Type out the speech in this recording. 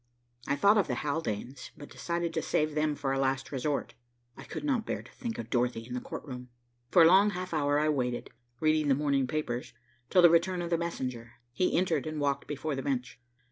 I thought of the Haldanes, but decided to save them for a last resort. I could not bear to think of Dorothy in the courtroom. For a long half hour I waited, reading the morning papers, till the return of the messenger. He entered and walked before the bench.